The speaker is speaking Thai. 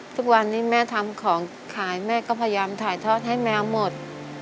ทุกวันนี้แม่ทำของขายแม่ก็พยายามถ่ายทอดให้แมวหมด